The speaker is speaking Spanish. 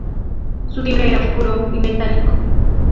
Su timbre era oscuro y metálico.